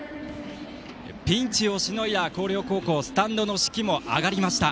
ピンチをしのいだ広陵高校スタンドの士気も上がりました。